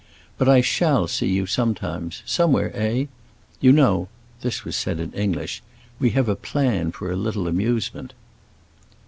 But I shall see you sometimes—somewhere, eh? You know"—this was said in English—"we have a plan for a little amusement."